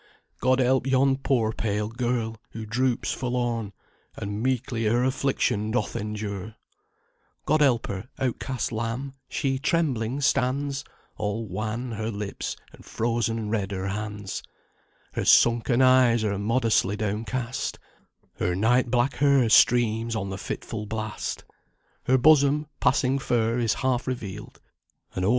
God help yon poor pale girl, who droops forlorn, And meekly her affliction doth endure; God help her, outcast lamb; she trembling stands, All wan her lips, and frozen red her hands; Her sunken eyes are modestly down cast, Her night black hair streams on the fitful blast; Her bosom, passing fair, is half revealed, And oh!